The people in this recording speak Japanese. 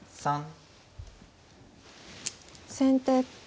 先手